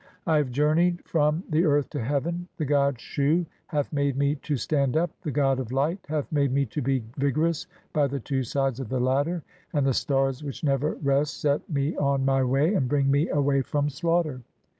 I have journeyed from "the earth to heaven. The god Shu hath [made] me to stand "up, the god of Light (5) hath made me to be vigorous by the "two sides of the ladder, and the stars which never rest set "[me] on [my] way and bring [me] away from slaughter.